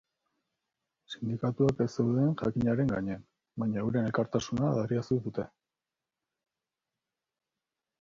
Sindikatuak ez zeuden jakinaren gainean, baina euren elkartasuna adierazi dute.